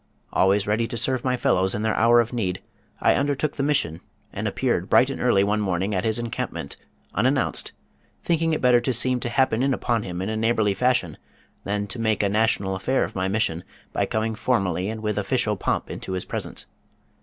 Always ready to serve my fellows in their hour of need, I undertook the mission, and appeared bright and early one morning at his encampment, unannounced, thinking it better to seem to happen in upon him in a neighborly fashion than to make a national affair of my mission by coming formally and with official pomp into his presence.